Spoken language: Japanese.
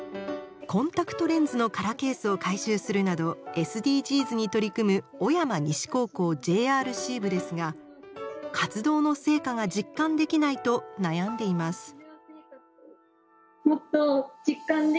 コンタクトレンズの空ケースを回収するなどＳＤＧｓに取り組む小山西高校ＪＲＣ部ですが活動の成果が実感できないと悩んでいます。